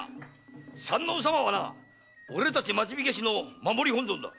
山王様は俺たち町火消しの守り本尊だ。